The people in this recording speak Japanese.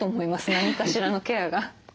何かしらのケアが。